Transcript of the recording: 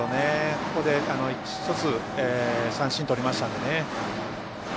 ここで１つ、三振とりましたので。